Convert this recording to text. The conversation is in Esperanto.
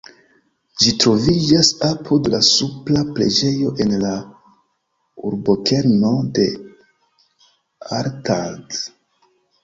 Ĝi troviĝas apud la Supra preĝejo en la urbokerno de Arnstadt.